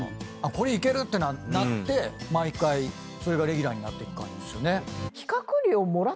これいけるってなって毎回それがレギュラーになってく感じですよね。